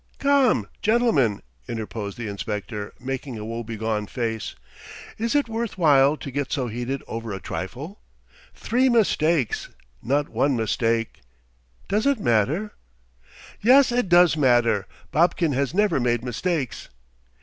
"Come, gentlemen," interposed the inspector, making a woebegone face. "Is it worth while to get so heated over a trifle? Three mistakes ... not one mistake ... does it matter?" "Yes, it does matter. Babkin has never made mistakes."